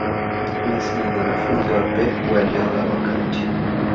messi ni mwanafunzi wa pep guardiola wakati